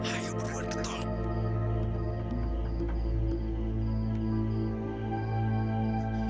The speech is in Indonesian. ayo berbunuh ketuk